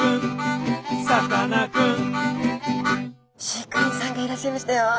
飼育員さんがいらっしゃいましたよ。